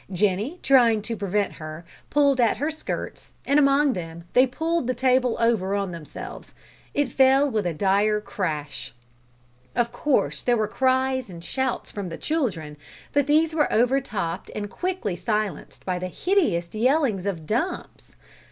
Jenny, trying to prevent her, pulled at her skirts, and among them they pulled the table over on themselves. It fell with a dire crash. Of course there were cries and shouts from the children, but these were overtopped and quickly silenced by the hideous yellings of Dumps.